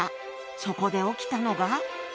そこで起きたのが。